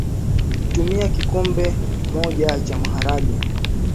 Tumia kikombe moja cha maharage